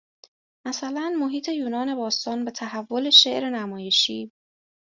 مثلاً محیط یونان باستان به تحول شعر نمایشی